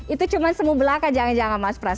itu cuma semu belaka jangan jangan mas pras